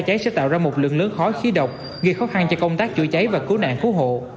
cháy sẽ tạo ra một lượng lớn khói khí độc gây khó khăn cho công tác chữa cháy và cứu nạn cứu hộ